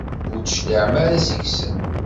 Ur d-tecliɛem ara seg-sen.